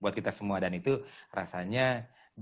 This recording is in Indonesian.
buat kita semua dan itu rasanya adalah ini ya original al hugh